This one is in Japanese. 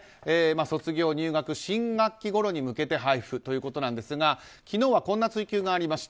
卒業、入学、新学期ごろに向けて配布ということですが昨日はこんな追及がありました。